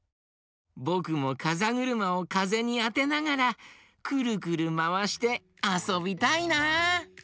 ぼくもかざぐるまをかぜにあてながらくるくるまわしてあそびたいな！